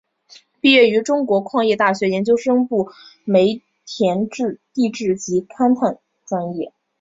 毕业于中国矿业大学研究生部煤田地质及勘探专业。